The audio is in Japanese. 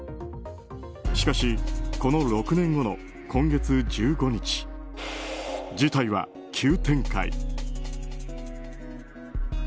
しかし、この６年後の今月１５日事態は急展開。